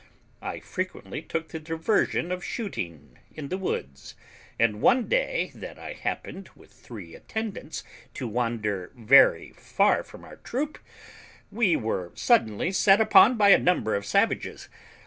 I frequently took the diversion of shooting in the woods, and one day that I happened with three attendants to wander far from our troop, we were suddenly set upon by a number of savages.